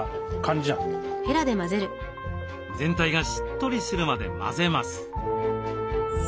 全体がしっとりするまで混ぜます。